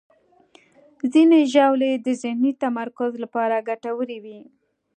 ځینې ژاولې د ذهني تمرکز لپاره ګټورې وي.